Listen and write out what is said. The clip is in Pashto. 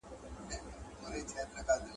پر مځکي باندي د ژوند نښي لږ دي.